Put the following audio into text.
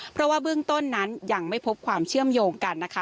เพราะว่าเบื้องต้นนั้นยังไม่พบความเชื่อมโยงกันนะคะ